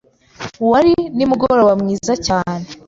Wari nimugoroba mwiza cyane.